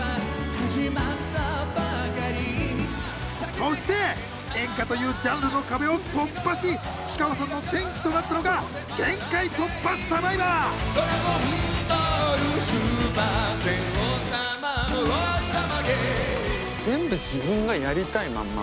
そして演歌というジャンルの壁を突破し氷川さんの転機となったのが「限界突破×サバイバー」全部自分がやりたいまんま。